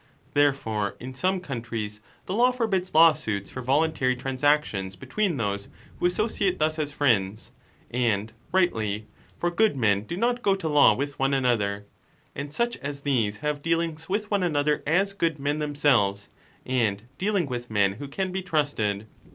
Therefore in some countries the law forbids lawsuits for voluntary transactions between those who associate thus as friends, and rightly ; for good men do not go to law ^ with one another ; and 1° such as these have dealings with one another as good men themselves, and dealing with men who can be trusted.